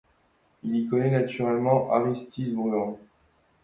Il y connaît naturellement Aristide Bruant.